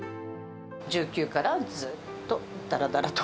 １９からずっと、だらだらと